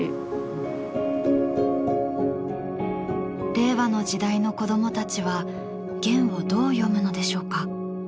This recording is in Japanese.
令和の時代の子どもたちは『ゲン』をどう読むのでしょうか。